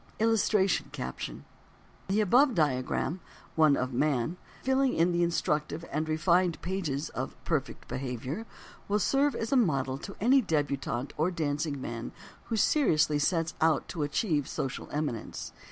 A Word of Warning and Encouragement The above diagram (one of man), filling the instructive and refined pages of PERFECT BEHAVIOR, _will serve as a model to any debutante or dancing man who seriously sets out to achieve social eminence.